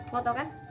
mau tau kan yuk